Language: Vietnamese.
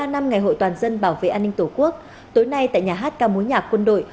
ba năm ngày hội toàn dân bảo vệ an ninh tổ quốc tối nay tại nhà hát ca mối nhạc quân đội